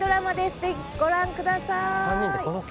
ぜひご覧ください。